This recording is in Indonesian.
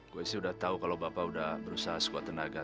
gue sih udah tahu kalau bapak sudah berusaha sekuat tenaga